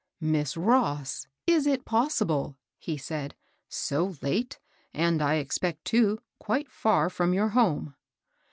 " Miss Ross ! is it possible ?*' he said ;'' so late, and I expect, too, quite far from your home